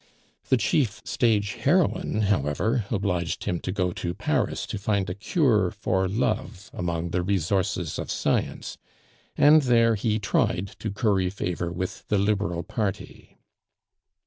The chief stage heroine, however, obliged him to go to Paris to find a cure for love among the resources of science, and there he tried to curry favor with the Liberal party.